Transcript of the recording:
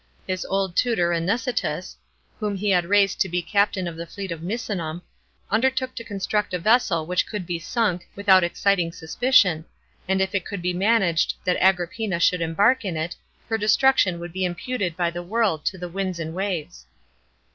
His old tutor Anicetus, whom he had raised to be captain of the fleet of Misennm, undertook to construct a vessel which could be sunk, without exciting suspicion, aud if it could be managed that Agrippina should emburk in it, her destruction would be imputed by the worll to the winds and waves.